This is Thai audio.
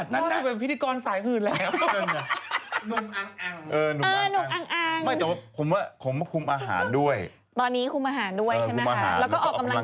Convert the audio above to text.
แล้วสต๗เรียกว่ายังไงน้อตู้ตะนอยเนอะ